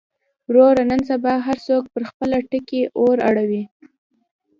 وروره نن سبا هر څوک پر خپله ټکۍ اور اړوي.